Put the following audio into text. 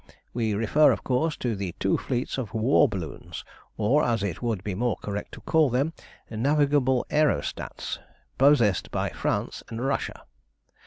We refer, of course, to the two fleets of war balloons, or, as it would be more correct to call them, navigable aerostats, possessed by France and Russia.